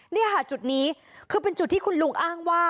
นี่ค่ะจุดนี้คือเป็นจุดที่คุณลุงอ้างว่า